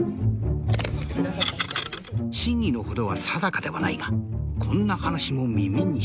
真偽の程は定かではないがこんな話も耳にした。